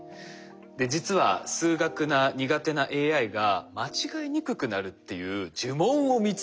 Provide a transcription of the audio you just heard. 実は数学が苦手なＡＩが間違いにくくなるっていう呪文を見つけました。